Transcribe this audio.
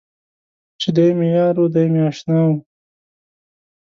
چې دی مې یار و دی مې اشنا و.